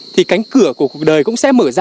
thì cánh cửa của cuộc đời cũng sẽ mở ra một lần nữa